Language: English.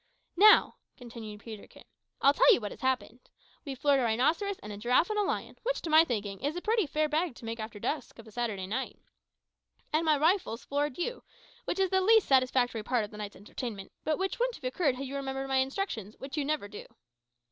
"Now," continued Peterkin, "I'll tell you what has happened. We've floored a rhinoceros and a giraffe and a lion, which, to my thinking, is a pretty fair bag to make after dusk of a Saturday night! And my big rifle has floored you, which is the least satisfactory part of the night's entertainment, but which wouldn't have occurred had you remembered my instructions, which you never do."